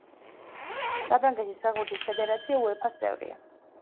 საფრანგეთის ფეხბურთის ფედერაცია უეფას წევრია.